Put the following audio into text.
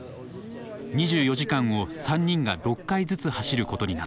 ２４時間を３人が６回ずつ走ることになった。